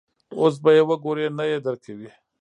اوس به یې وګورې، نه یې درکوي.